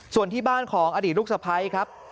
ส่วนที่บ้านของอดีตลูกสะพ้ายครับ